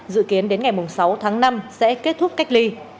dự kiến đến ngày sáu tháng năm sẽ kết thúc cách ly